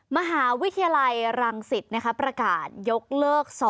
มหาวิทยาลัยรังสิตประกาศยกเลิก๒